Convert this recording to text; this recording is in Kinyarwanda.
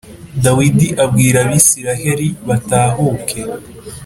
dawidi abwira abisilaheli batahuke